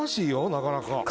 なかなか。